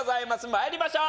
参りましょう。